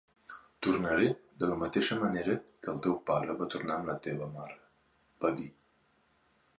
"Tornaré, de la mateixa manera que el teu pare va tornar amb la teva mare", va dir.